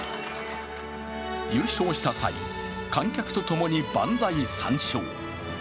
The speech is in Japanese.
優勝した際、観客と共に万歳三唱。